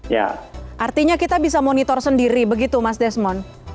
ya artinya kita bisa monitor sendiri begitu mas desmond